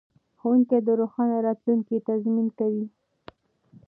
ښوونکي د روښانه راتلونکي تضمین کوي.